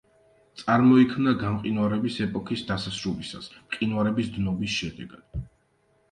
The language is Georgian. წარმოიქმნა გამყინვარების ეპოქის დასასრულისას, მყინვარების დნობის შედეგად.